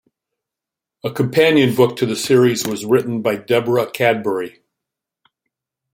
A companion book to the series was written by Deborah Cadbury.